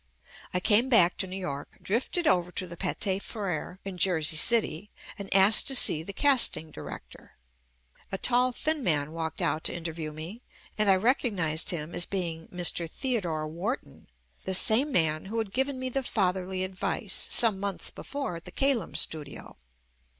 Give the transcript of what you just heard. I came back to New York, drifted over to the Pathe Freres in Jersey City and asked to see the Casting Director. A tall thin man walked out to interview me, and I recognized him as being "Mr. Theodore Wharton," the same man who had given me the fatherly advice some months before at the Kalem studio.